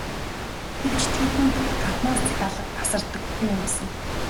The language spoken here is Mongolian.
Гэвч тэдэнд гаднаас захиалга тасардаггүй юмсанж.